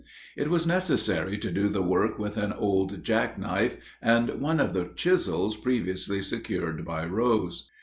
It was necessary to do the work with an old jack knife and one of the chisels previously secured by Rose.